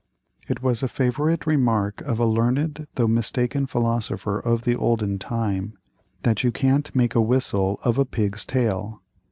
It was a favorite remark of a learned though mistaken philosopher of the olden time, that "you can't make a whistle of a pig's tail."